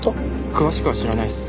詳しくは知らないっす。